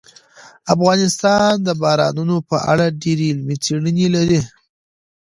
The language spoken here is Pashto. افغانستان د بارانونو په اړه ډېرې علمي څېړنې لري.